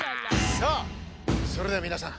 さあそれではみなさん